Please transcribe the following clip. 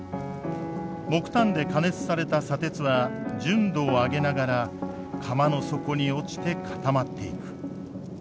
木炭で加熱された砂鉄は純度を上げながら釜の底に落ちて固まっていく。